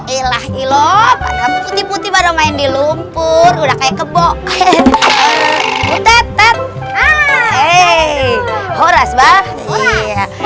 ilah ilah putih putih baru main di lumpur udah kayak kebo eh eh eh horas banget ya